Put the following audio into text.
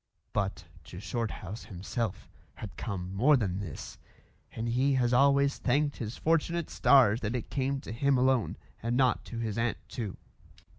But to Shorthouse himself had come more than this, and he has always thanked his fortunate stars that it came to him alone and not to his aunt too.